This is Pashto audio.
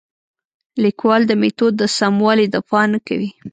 لیکوال د میتود د سموالي دفاع نه کوي.